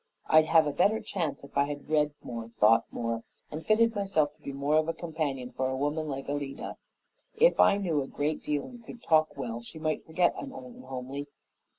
I'd have a better chance if I had read more, thought more, and fitted myself to be more of a companion for a woman like Alida. If I knew a great deal and could talk well, she might forget I'm old and homely.